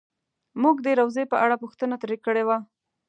مونږ د روضې په اړه پوښتنه ترې کړې وه.